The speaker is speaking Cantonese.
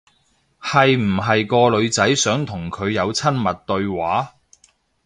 係唔係個女仔想同佢有親密對話？